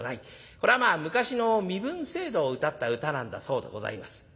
これはまあ昔の身分制度をうたった歌なんだそうでございます。